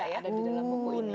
yang ada di dalam buku ini